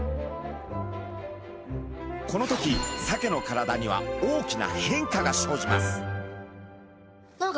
この時サケの体には大きな変化が生じます。